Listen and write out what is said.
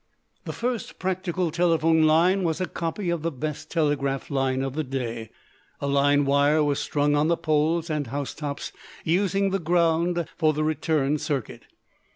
The first practical telephone line was a copy of the best telegraph line of the day. A line wire was strung on the poles and housetops, using the ground for the return circuit.